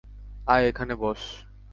আয় এখানে বস।